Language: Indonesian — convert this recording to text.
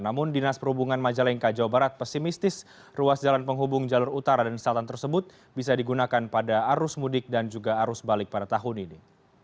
namun dinas perhubungan majalengka jawa barat pesimistis ruas jalan penghubung jalur utara dan selatan tersebut bisa digunakan pada arus mudik dan juga arus balik pada tahun ini